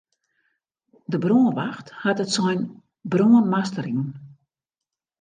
De brânwacht hat it sein brân master jûn.